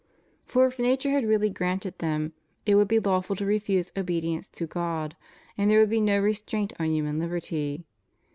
For if nature had really granted them, it would be lawful to refuse obedience to God, and there would be no restraint on human liberty.